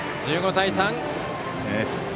１５対３。